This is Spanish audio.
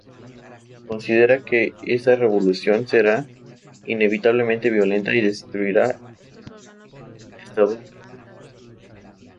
Considera que esa revolución será inevitablemente violenta y destruirá al Estado actual.